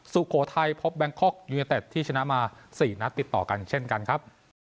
ซูโคไทยพบแบงคกยูงเย็นเต็ดที่ชนะมาสี่นัดติดต่อกันเช่นกันครับ